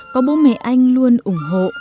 có bố mẹ anh luôn ủng hộ